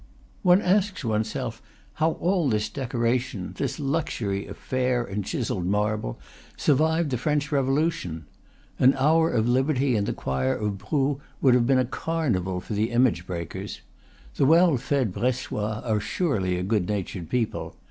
One asks one's self how all this decoration, this luxury of fair and chiselled marble, survived the French Revolution. An hour of liberty in the choir of Brou would have been a carnival for the image breakers. The well fed Bressois are surely a good natured people.